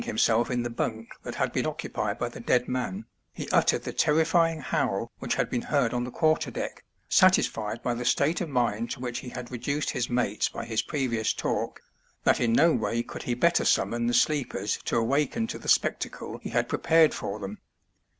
himself in the bunk that had been occupied by the dead man, he uttered the terrifying howl which had been heard on the quarter deck, satisfied by the state of mind to which he had reduced his mates by his previous talk, that in no way could he better summon the sleepers to awaken to the spectacle he had prepared for them.